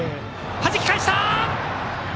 はじき返した！